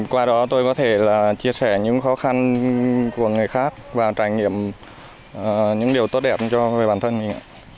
qua đó tôi có thể chia sẻ những khó khăn của người khác và trải nghiệm những điều tốt đẹp cho bản thân mình